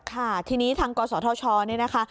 ที่นี้ทางกศชนี่นะคะ